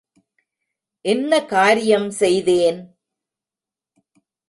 என்ன காரியம் செய்தேன்!